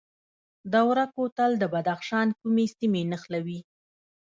دوره کوتل د بدخشان کومې سیمې نښلوي؟